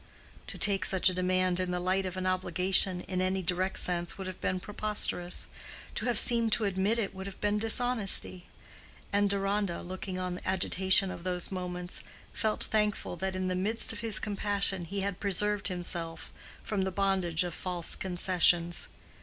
To take such a demand in the light of an obligation in any direct sense would have been preposterous—to have seemed to admit it would have been dishonesty; and Deronda, looking on the agitation of those moments, felt thankful that in the midst of his compassion he had preserved himself from the bondage of false concessions.